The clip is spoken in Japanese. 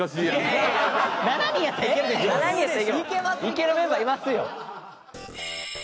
いけるメンバーいますよ。